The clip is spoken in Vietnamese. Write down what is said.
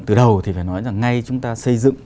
từ đầu thì phải nói rằng ngay chúng ta xây dựng